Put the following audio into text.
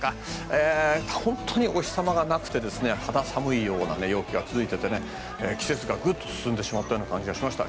本当にお日様がなくて肌寒いような陽気が続いていて、季節がぐっと進んでしまった感じがしました。